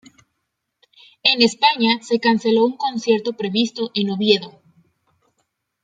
En España se canceló un concierto previsto en Oviedo.